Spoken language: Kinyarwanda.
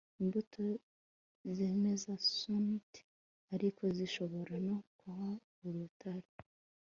imbuto zemeza sonnet, ariko zishobora no kuba urutare